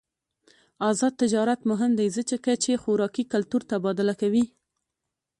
آزاد تجارت مهم دی ځکه چې خوراکي کلتور تبادله کوي.